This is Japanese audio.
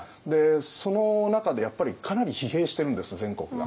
その中でやっぱりかなり疲弊してるんです全国が。